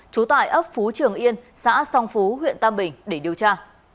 trú tại ấp phú trường yên xã song phú huyện tam bình để điều tra